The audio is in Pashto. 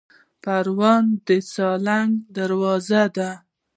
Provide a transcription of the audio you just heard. پروان د سالنګ دروازه ده